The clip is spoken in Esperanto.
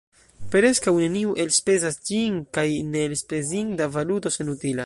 Preskaŭ neniu elspezas ĝin, kaj neelspezinda valuto senutilas.